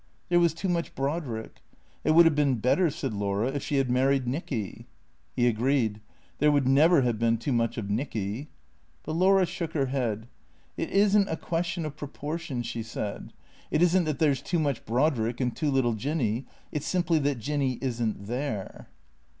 There was too much Brodrick. It would have been better, said Laura, if she had married Nicky. He agreed. There would never have been too much of Nicky. But Laura shook her head. " It is n't a question of proportion," she said. " It is n't that there 's too much Brodrick and too little Jinny. It 's simply that Jinny is n't there."